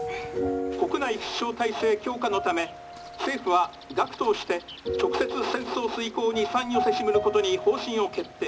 国内必勝体制強化のため政府は学徒をして直接戦争遂行に参与せしむることに方針を決定」。